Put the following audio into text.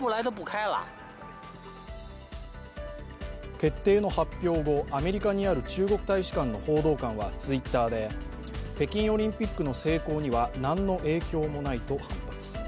決定の発表後、アメリカにある中国大使館の報道官はＴｗｉｔｔｅｒで北京オリンピックの成功には何の影響もないと反発。